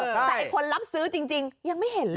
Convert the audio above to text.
แต่คนรับซื้อจริงยังไม่เห็นเลย